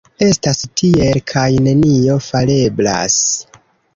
Estas tiel, kaj nenio fareblas.